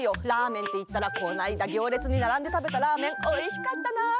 ラーメンっていったらこないだ行列に並んで食べたラーメンおいしかったな。